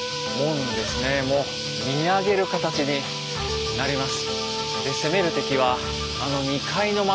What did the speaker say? もう見上げる形になります。